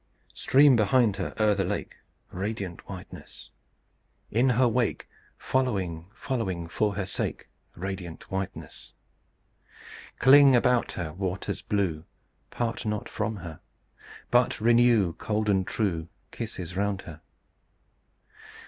Stream behind her O'er the lake, Radiant whiteness! In her wake Following, following for her sake, Radiant whiteness! Cling about her, Waters blue; Part not from her, But renew Cold and true Kisses round her.